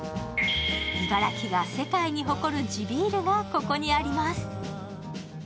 茨城が世界に誇る地ビールがここにあります。